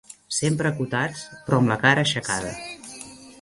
Sempre acotats, però amb la cara aixecada